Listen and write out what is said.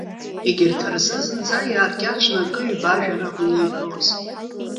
Егьырҭ рзы зынӡа иааркьаҿны акы-ҩба ажәа ракәын ииҳәауаз.